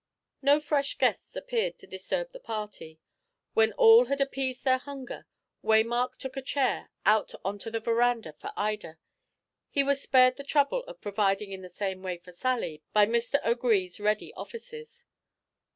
No fresh guests appeared to disturb the party. When all had appeased their hunger, Waymark took a chair out on to the verandah for Ida. He was spared the trouble of providing in the same way for Sally by Mr. O'Gree's ready offices.